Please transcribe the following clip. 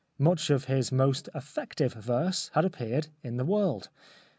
Much of his most effective verse had appeared in The World.